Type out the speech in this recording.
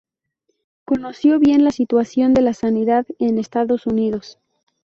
Conoció bien la situación de la sanidad en Estados Unidos.